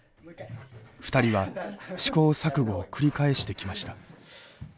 ２人は試行錯誤を繰り返してきました。